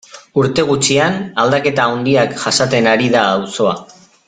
Urte gutxian aldaketa handiak jasaten ari da auzoa.